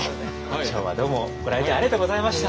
今日はどうもご来店ありがとうございました。